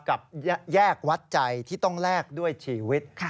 กับแยกวัดใจที่ต้องแลกด้วยชีวิต